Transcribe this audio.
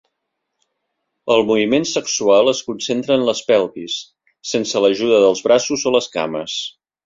El moviment sexual es concentra en les pelvis, sense l'ajuda dels braços o les cames.